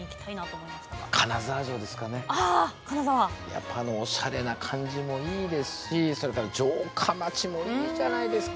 やっぱあのおしゃれな感じもいいですしそれから城下町もいいじゃないですか。